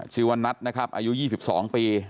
ชื่อว่านัทนะครับอายุ๒๒ปี